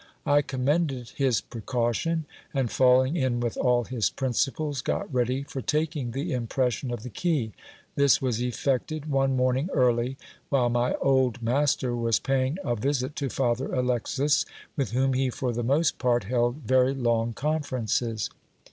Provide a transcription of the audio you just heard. I commended his precaution, and falling in with all his principles, got ready for taking the impression of the key : this was effected one morning early, while my old master was paying a visit to Father Alexis, with whom he for the most part held very long confer ences.